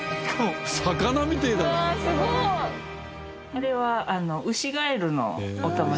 あれはウシガエル。